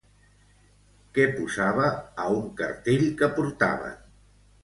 Què posava a un cartell que portaven?